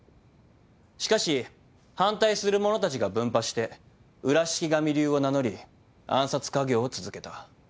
しかし反対する者たちが分派して裏四鬼神流を名乗り暗殺稼業を続けた。